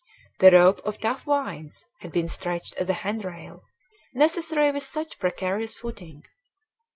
The rope of tough vines had been stretched as a hand rail, necessary with such precarious footing.